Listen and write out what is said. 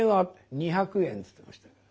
「２００円」つってました。